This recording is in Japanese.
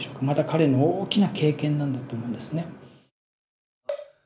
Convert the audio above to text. また彼の大きな経験なんだと思うんですね。